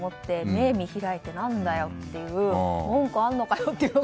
目を見開いて何だよという文句あんのかよって。